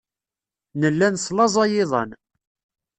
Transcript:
Nella neslaẓay iḍan.